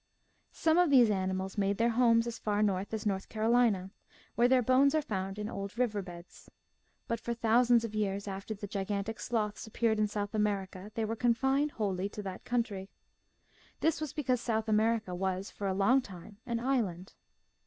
Some of these animals made their homes as far north as North Carolina, where their bones are found in old river beds. But for thousands of years after the gigantic sloths appeared in South America they were confined wholly to that country. This was because South America was for a long time an island.